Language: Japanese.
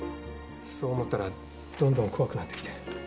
そう思ったらどんどん怖くなってきて。